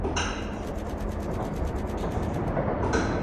Sus escritos son representativos del período del Preciosismo.